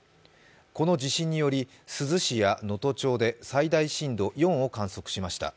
この地震により珠洲市や能登町で最大震度４を観測しました。